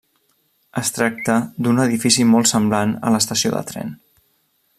Es tracta d'un edifici molt semblant a l'estació de tren.